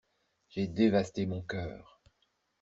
J'ai dévasté mon cœur.